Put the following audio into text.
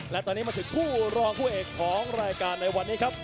และตอนนี้มาถึงคู่รองคู่เอกของรายการในวันนี้ครับ